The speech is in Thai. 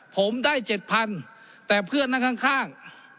ผมได้เจ็ดพันแต่เพื่อนนั่งข้างข้าง